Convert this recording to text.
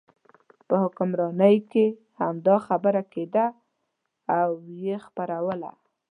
په حکمرانۍ کې هم دا خبره کېده او یې خپروله.